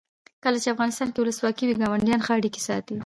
کله چې افغانستان کې ولسواکي وي ګاونډیان ښه اړیکې ساتي.